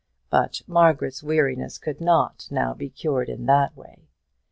But Margaret's weariness could not now be cured in that way.